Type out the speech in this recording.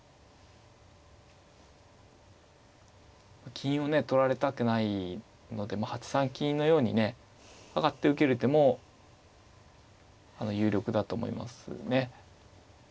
金をね取られたくないので８三金のようにね上がって受ける手も有力だと思いますね。